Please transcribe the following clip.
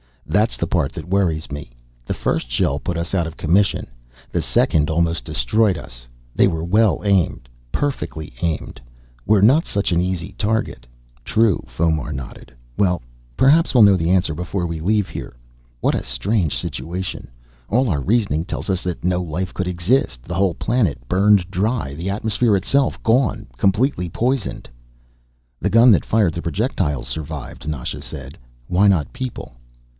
"That's the part that worries me. The first shell put us out of commission, the second almost destroyed us. They were well aimed, perfectly aimed. We're not such an easy target." "True." Fomar nodded. "Well, perhaps we'll know the answer before we leave here. What a strange situation! All our reasoning tells us that no life could exist; the whole planet burned dry, the atmosphere itself gone, completely poisoned." "The gun that fired the projectiles survived," Nasha said. "Why not people?"